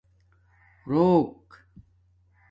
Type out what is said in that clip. روک